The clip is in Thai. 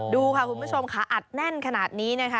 ดูค่ะคุณผู้ชมค่ะอัดแน่นขนาดนี้นะคะ